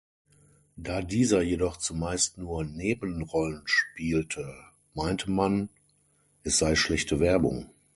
Da dieser jedoch zumeist nur Nebenrollen spielte, meinte man, es sei schlechte Werbung.